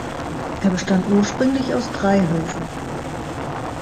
Er bestand ursprünglich aus drei Höfen.